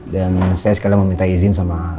dan saya sekalian mau minta izin sama